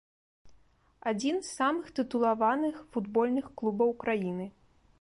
Адзін з самых тытулаваных футбольных клубаў краіны.